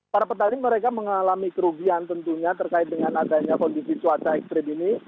para petani mereka mengalami kerugian tentunya terkait dengan adanya kondisi cuaca ekstrim ini